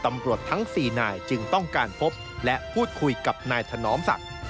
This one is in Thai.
ตำรวจทั้ง๔นายจึงต้องการพบและพูดคุยกับนายถนอมศักดิ์